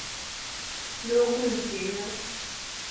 N’okwu nke ya